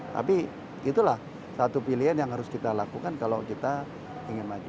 tapi itulah satu pilihan yang harus kita lakukan kalau kita ingin maju